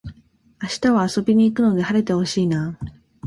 明日は遊びに行くので晴れて欲しいなあ